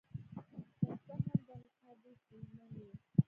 که څه هم دغه کار ډېر ستونزمن و.